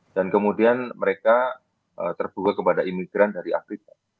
kemudian mereka terbuka kepada imigran dari afrika